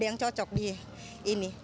yang cocok di ini